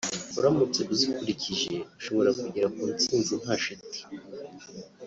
uramutse uzikurikije ushobora kugera ku ntsinzi nta shiti